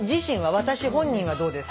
私本人はどうですか？